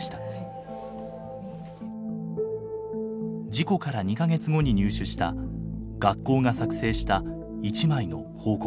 事故から２か月後に入手した学校が作成した一枚の報告書。